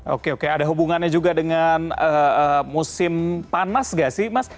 oke oke ada hubungannya juga dengan musim panas gak sih mas